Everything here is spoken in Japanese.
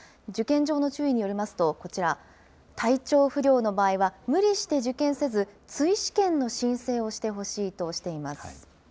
受験上の注意によりますと、こちら、体調不良の場合は無理して受験せず追試験の申請をしてほしいとしています。